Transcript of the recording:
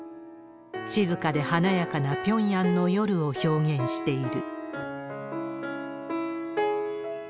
静かで華やかなピョンヤンの夜を表現している。